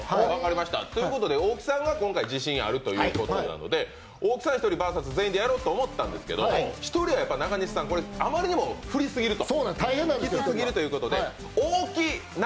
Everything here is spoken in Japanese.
ということで、大木さんが今回自信があるということなので大木さん１人ＶＳみんなでやろうと思ったんですけど１人はやっぱり、あまりにも不利すぎると。